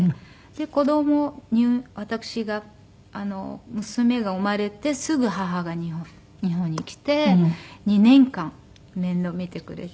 子供私が娘が生まれてすぐ母が日本に来て２年間面倒見てくれて。